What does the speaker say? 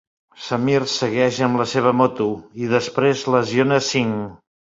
Sameer segueix amb la seva moto i després lesiona Singh.